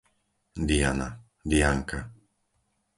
Diana, Dianka